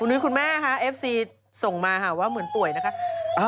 อุ๊ยคุณแม่เอฟซีส่งมาว่าเหมือนป่วยนะคะ